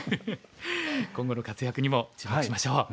今後の活躍にも注目しましょう。